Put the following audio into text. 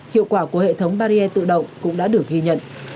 hiệu quả của hệ thống barrier tự động cũng đã được ghi nhận